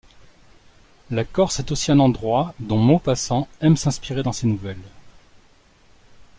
La Corse est aussi un endroit dont Maupassant aime s'inspirer dans ses nouvelles.